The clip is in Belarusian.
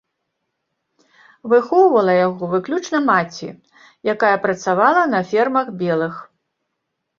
Выхоўвала яго выключна маці, якая працавала на фермах белых.